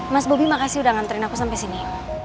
mas bobi makasih udah nganterin aku sampai sini